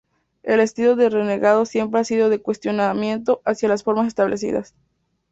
El estilo del Renegado siempre ha sido de cuestionamiento hacia las formas establecidas.